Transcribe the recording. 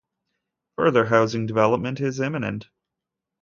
Further housing development is imminent.